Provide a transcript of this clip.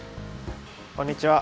こんにちは。